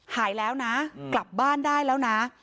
หายแล้วนะกลับบ้านได้แล้วนะ